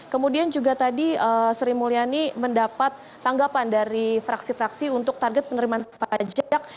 kemudian juga tadi sri mulyani mendapat tanggapan dari fraksi fraksi untuk target penerimaan pajak